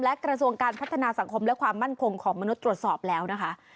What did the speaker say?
และกระทรวงการพัฒนาสังคมและความมั่นคงของมนุษย์ตรวจสอบแล้วนะคะ